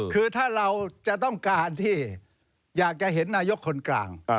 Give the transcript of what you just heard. คือถ้าเราจะต้องการที่อยากจะเห็นนายกคนกลาง